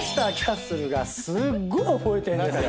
すっごい覚えてんですよ。